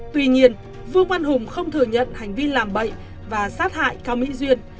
tuy nhiên vương văn hùng không thừa nhận hành vi làm bậy và sát hại cao mỹ duyên